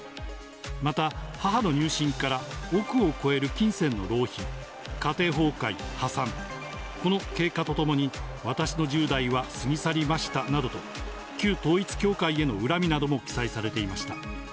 また、母の入信から億を超える金銭の浪費、家庭崩壊、破産、この経過とともに、私の１０代は過ぎ去りましたなどと、旧統一教会への恨みなども記載されていました。